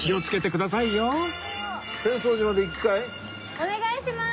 お願いします！